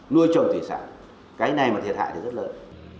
nuôi trồng thủy sản cái này mà thiệt hại thì rất lớn